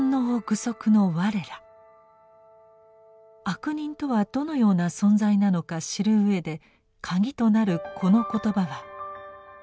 「悪人」とはどのような存在なのか知る上でカギとなるこの言葉は「歎異抄」